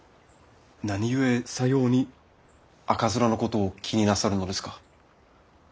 何故さように赤面のことを気になさるのですか？